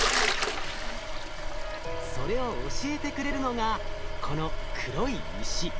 それを教えてくれるのがこの黒い石。